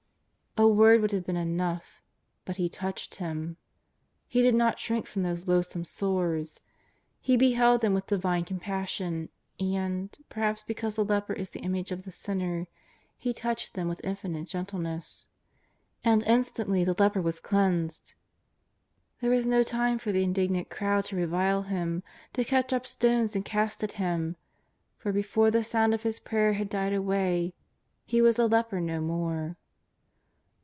'' A word would have been enough, but He touched him, He did not shrink from those loathsome sores. He be held them with divine compassion, and — perhaps be cause the leper is the image of the sinner — He touched them with infinite gentleness. And instantly the leper was cleansed. There was no time for the indignant crowd to revile him, to catch up stones and cast at him, for before the sound of his prayer had died away he was a leper no more.